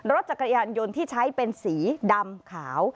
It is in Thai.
รถจักรยานยนต์ที่ใช้เป็นสีดำขาว